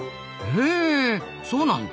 へえそうなんだ。